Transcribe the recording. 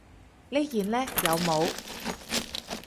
呢件呢？有帽